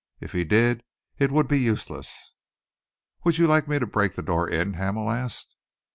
"If he did, it would be useless." "Would you like me to break the door in?" Hamel asked.